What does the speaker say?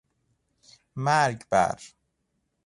مرگ بر...!